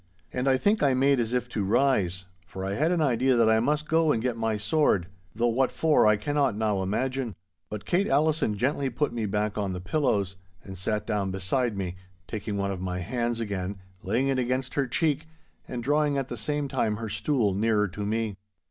And I think I made as if to rise, for I had an idea that I must go and get my sword—though what for, I cannot now imagine. But Kate Allison gently put me back on the pillows, and sat down beside me, taking one of my hands again, laying it against her cheek, and drawing at the same time her stool nearer to me.